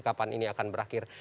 kapan ini akan berakhir